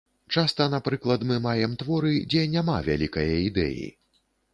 Часта, напрыклад, мы маем творы, дзе няма вялікае ідэі.